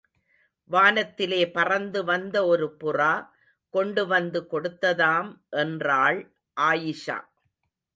வானத்திலே பறந்து வந்த ஒரு புறா கொண்டு வந்து கொடுத்ததாம் என்றாள் ஆயிஷா.